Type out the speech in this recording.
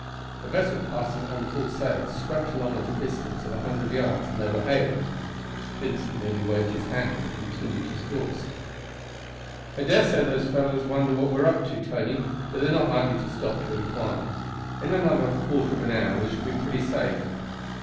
A vessel passing under full sail swept along at a distance of a hundred yards, and they were hailed. Vincent merely waved his hand and continued his course. "I dare say those fellows wonder what we are up to, Tony; but they are not likely to stop to inquire. In another quarter of an hour we shall be pretty safe.